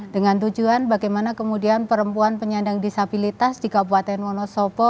dengan tujuan bagaimana kemudian perempuan penyandang disabilitas di kabupaten wonosobo